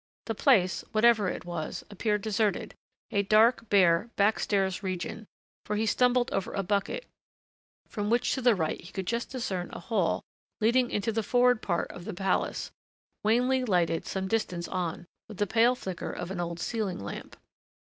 The place, whatever it was, appeared deserted, a dark, bare, backstairs region for he stumbled over a bucket from which to the right he could just discern a hall leading into the forward part of the palace, wanly lighted some distance on, with the pale flicker of an old ceiling lamp.